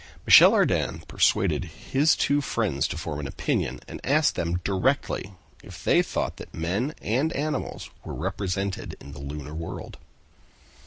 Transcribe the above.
Michel Ardan persuaded his two friends to form an opinion, and asked them directly if they thought that men and animals were represented in the lunar world.